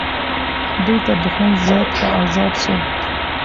دوی تر دښمن زیات په عذاب سول.